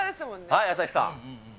はい、朝日さん。